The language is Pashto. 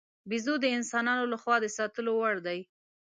بیزو د انسانانو له خوا د ساتلو وړ دی.